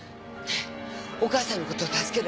お母さんのこと助ける。